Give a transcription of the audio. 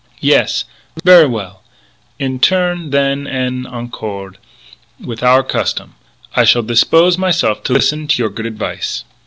Yes? Ver' well; in turn, then, en accord with our custom, I shall dispose myse'f to listen to your good advice."